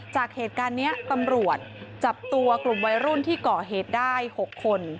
จากเหตุการณ์นี้ตำรวจจับตัวกลุ่มวัยรุ่นที่ก่อเหตุได้๖คน